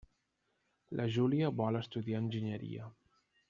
La Júlia vol estudiar enginyeria.